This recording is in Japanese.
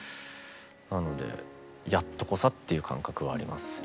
なのでやっとこさっていう感覚はありますね。